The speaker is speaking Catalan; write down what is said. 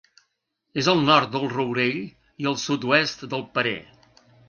És al nord del Rourell i al sud-oest del Perer.